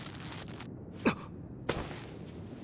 あっ。